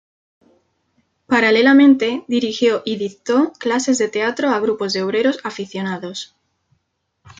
Paralelamente dirigió y dictó clases de teatro a grupos de obreros aficionados.